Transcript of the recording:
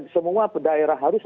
semua daerah harus